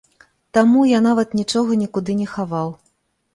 Таму я нават нічога нікуды не хаваў.